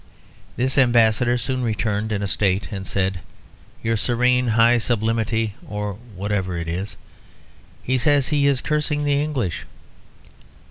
This ambassador soon returned in state and said, "Your Serene High Sublimity (or whatever it is), he says he is cursing the English."